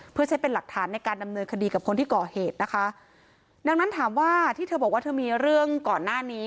เพื่อใช้เป็นหลักฐานในการดำเนินคดีกับคนที่ก่อเหตุนะคะดังนั้นถามว่าที่เธอบอกว่าเธอมีเรื่องก่อนหน้านี้